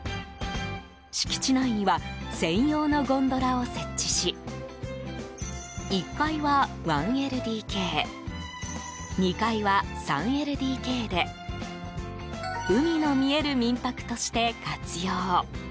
敷地内には専用のゴンドラを設置し１階は１ＬＤＫ２階は３ＬＤＫで海の見える民泊として活用。